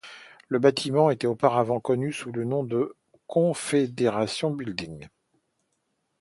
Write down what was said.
Le bâtiment était auparavant connu sous le nom de Confederation Building.